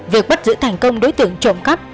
việc bắt giữ thành công đối tượng trộm cắp